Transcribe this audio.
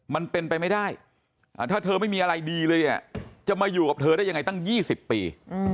มันเป็นไปไม่ได้ถ้าเธอไม่มีอะไรดีเลยเนี่ยจะมาอยู่กับเธอได้ยังไงตั้ง๒๐ปี